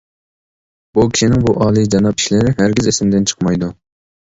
بۇ كىشىنىڭ بۇ ئالىي جاناب ئىشلىرى ھەرگىز ئېسىمدىن چىقمايدۇ!